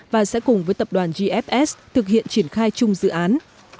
và sẽ cùng với tập đoàn gfs thực hiện triển khai chung dự án